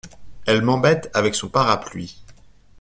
Elle m’embête avec son parapluie !